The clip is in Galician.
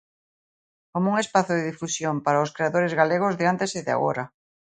Como un espazo de difusión para os creadores galegos de antes e de agora.